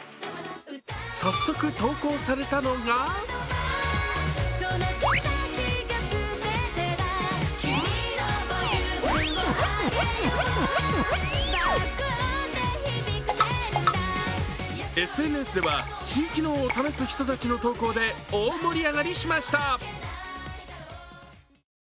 早速投稿されたのがＳＮＳでは新機能を試す人たちの投稿で大盛り上がりしました。